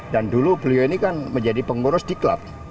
dan dulu beliau ini kan menjadi pengurus di klub